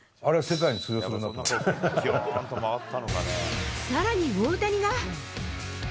さらに大谷が。